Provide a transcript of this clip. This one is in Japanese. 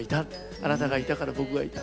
あなたがいたから僕がいた。